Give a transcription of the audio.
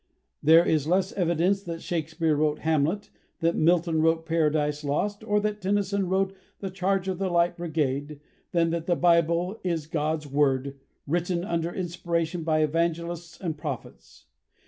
There is less evidence that Shakespeare wrote 'Hamlet,' that Milton wrote 'Paradise Lost,' or that Tennyson wrote 'The Charge of the Light Brigade,' than that the Bible is God's Word, written under inspiration by evangelists and prophets.